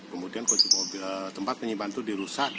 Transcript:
kemudian tempat penyimpanan itu dirusak